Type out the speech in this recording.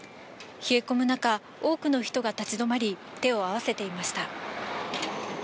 冷え込む中、多くの人が立ち止まり、手を合わせていました。